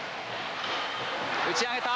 打ち上げた。